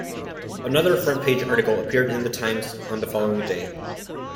Another front page article appeared in the "Times" on the following day.